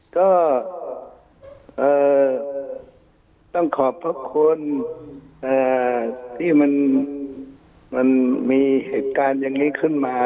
ก็ต้องขอบพระคุณที่มันมีเหตุการณ์อย่างนี้ขึ้นมา